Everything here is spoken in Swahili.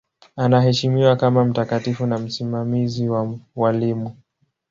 Anaheshimiwa kama mtakatifu na msimamizi wa walimu.